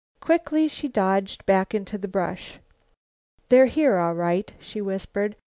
Quickly she dodged back into the brush. "They're here, all right," she whispered.